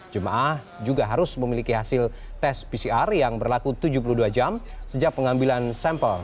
jemaah juga harus memiliki hasil tes pcr yang berlaku tujuh puluh dua jam sejak pengambilan sampel